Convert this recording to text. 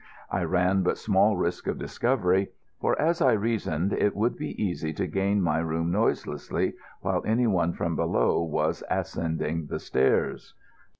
I ran but small risk of discovery; for, as I reasoned, it would be easy to gain my room noiselessly while any one from below was ascending the stairs.